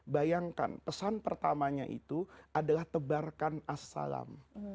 bayangkan pesan pertamanya itu adalah tebarkan as salam